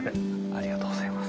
ありがとうございます。